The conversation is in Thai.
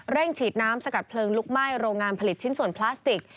ฉีดน้ำสกัดเพลิงลุกไหม้โรงงานผลิตชิ้นส่วนพลาสติก